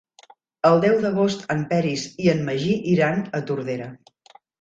El deu d'agost en Peris i en Magí iran a Tordera.